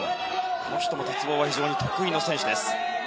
この人も鉄棒が非常に得意な選手。